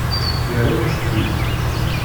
Yerra-yas-t-id.